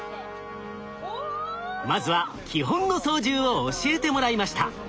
まずは基本の操縦を教えてもらいました。